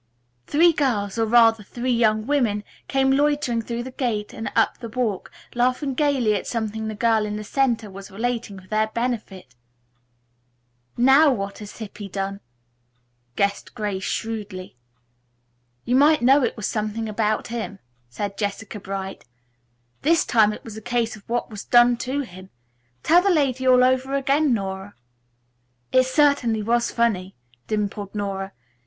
Three girls, or rather three young women, came loitering through the gate and up the walk, laughing gayly at something the girl in the center was relating for their benefit. "Now what has Hippy done?" guessed Grace shrewdly. "You might know it was something about him," said Jessica Bright. "This time it was a case of what was done to him. Tell the lady all over again, Nora." "It certainly was funny," dimpled Nora.